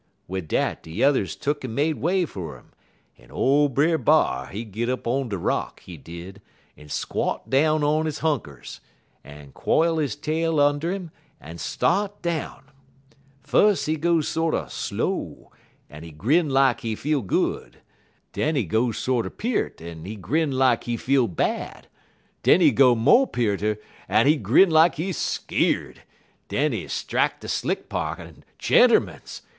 "Wid dat de yuthers tuck'n made way fer 'im, en ole Brer B'ar he git up on de rock, he did, en squot down on he hunkers, en quile he tail und' 'im, en start down. Fus' he go sorter slow, en he grin lak he feel good; den he go sorter peart, en he grin lak he feel bad; den he go mo' pearter, en he grin lak he skeerd; den he strack de slick part, en, gentermens!